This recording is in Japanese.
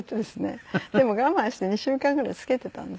でも我慢して２週間ぐらい着けてたんです。